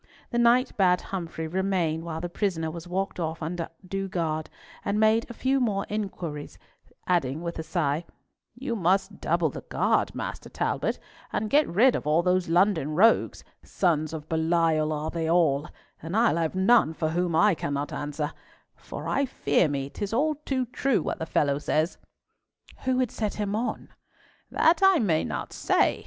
The knight bade Humfrey remain while the prisoner was walked off under due guard, and made a few more inquiries, adding, with a sigh, "You must double the guard, Master Talbot, and get rid of all those London rogues—sons of Belial are they all, and I'll have none for whom I cannot answer—for I fear me 'tis all too true what the fellow says." "Who would set him on?" "That I may not say.